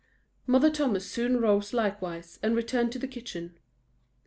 Mother Thomas soon rose likewise, and returned to the kitchen.